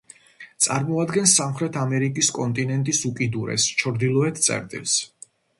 წარმოადგენს სამხრეთ ამერიკის კონტინენტის უკიდურეს ჩრდილოეთ წერტილს.